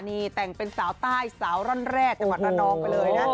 นี่แต่งเป็นสาวใต้สาวร่อนแรกจังหวัดระนองไปเลยนะ